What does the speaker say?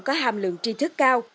có hàm lượng tri thức cao